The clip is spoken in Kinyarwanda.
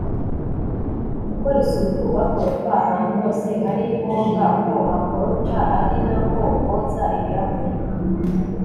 gukora isuku, bakoropa ahantu hose hari ngombwa ko hakoropwa ari nako boza ibirahure